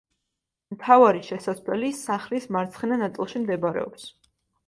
მთავარი შესასვლელი სახლის მარცხენა ნაწილში მდებარეობს.